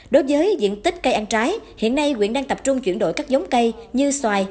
đối với diện tích cây ăn trái hiện nay quyện đang tập trung chuyển đổi các giống cây như xoài